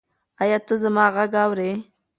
ایا ته زما غږ اورې؟